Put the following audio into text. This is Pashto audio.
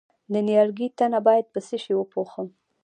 د نیالګي تنه باید په څه شي وپوښم؟